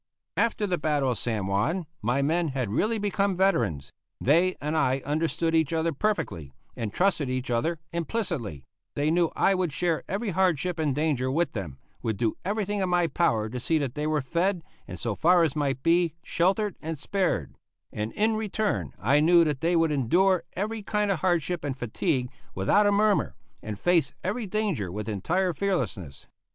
After the battle of San Juan my men had really become veterans; they and I understood each other perfectly, and trusted each other implicitly; they knew I would share every hardship and danger with them, would do everything in my power to see that they were fed, and so far as might be, sheltered and spared; and in return I knew that they would endure every kind of hardship and fatigue without a murmur and face every danger with entire fearlessness.